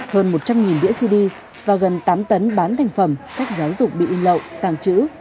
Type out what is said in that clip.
hơn một trăm linh đĩa cd và gần tám tấn bán thành phẩm sách giáo dục bị in lậu tàng trữ